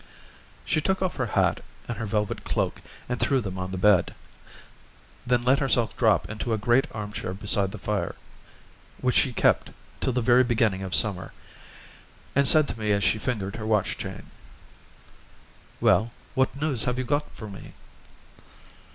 She took off her hat and her velvet cloak and threw them on the bed, then let herself drop into a great armchair beside the fire, which she kept till the very beginning of summer, and said to me as she fingered her watch chain: "Well, what news have you got for me?"